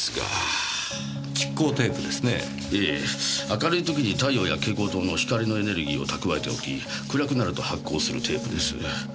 明るいときに太陽や蛍光灯の光のエネルギーを蓄えておき暗くなると発光するテープです。